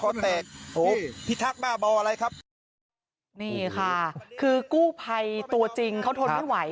นี่ค่ะคือกู้ไพตัวจริงเขาทนไม่ไหว